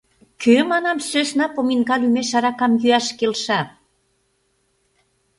Кӧ, манам, сӧсна поминка лӱмеш аракам йӱаш келша?